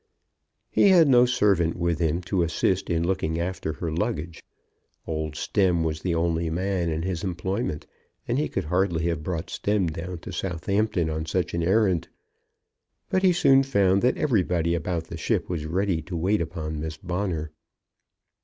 He had no servant with him to assist in looking after her luggage. Old Stemm was the only man in his employment, and he could hardly have brought Stemm down to Southampton on such an errand. But he soon found that everybody about the ship was ready to wait upon Miss Bonner.